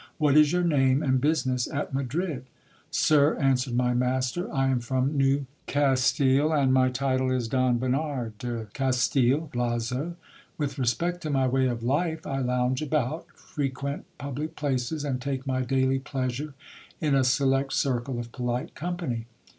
What is your name, and business at Madrid ? Sir, answered my master, I am from New Castile, and my title is Don Bernard de Castil Blazo. With respect to my way of life, I lounge about, frequent public places, and take my daily pleasure in a select circle of polite company.